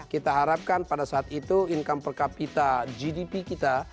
kita harapkan pada saat itu income per capita gdp kita